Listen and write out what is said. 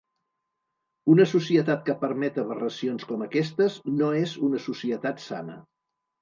Una societat que permet aberracions com aquestes no és una societat sana.